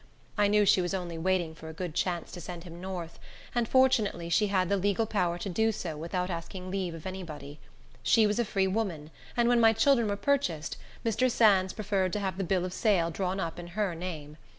I knew she was only waiting for a good chance to send him north, and, fortunately, she had the legal power to do so, without asking leave of any body. She was a free woman; and when my children were purchased, Mr. Sands preferred to have the bill of sale drawn up in her name.